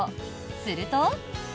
すると。